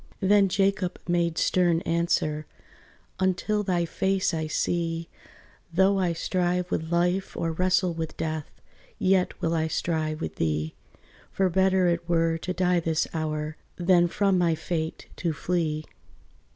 Then Jacob made stern answer, "Until thy face I see, Though I strive with life or wrestle with death, Yet will I strive with thee: For better it were to die this hour Than from my fate to flee.